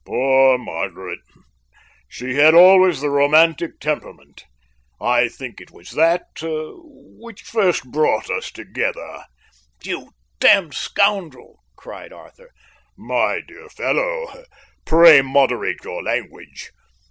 "Poor Margaret! She had always the romantic temperament. I think it was that which first brought us together." "You damned scoundrel!" cried Arthur. "My dear fellow, pray moderate your language.